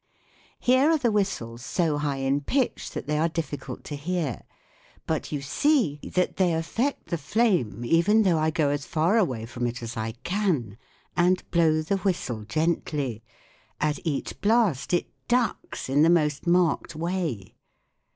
Here are the whistles so high in pitch that they are diffi cult to hear, but you see that they affect the flame even though I go as far away from it as I can and blow the whistle gently at each blast it ducks in the most marked way.